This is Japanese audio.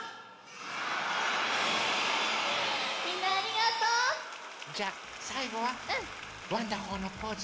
みんなありがとう！じゃさいごはワンダホーのポーズ。